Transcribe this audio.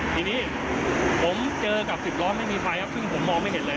ทีนี้ผมเจอกับสิบล้อไม่มีไฟครับซึ่งผมมองไม่เห็นเลย